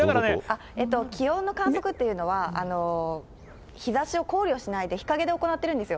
気温の観測というのは、日ざしを考慮しないで日陰で行っているんですよ。